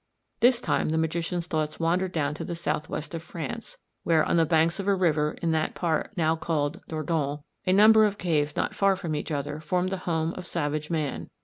This time the magician's thoughts wandered down to the south west of France, where, on the banks of a river in that part now called the Dordogne, a number of caves not far from each other formed the home of savage man.